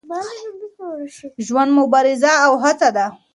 ژوند مبارزه او هڅه ده.